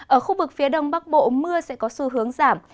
ở khu vực phía đông bắc bộ mưa sẽ có xu hướng giảm